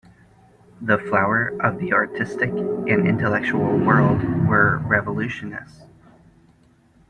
The flower of the artistic and intellectual world were revolutionists.